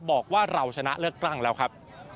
บอกว่าเราชนะเลือกตั้งแล้วครับ